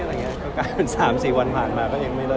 ก็กลายเป็น๓๔วันผ่านมาก็ยังไม่เลิก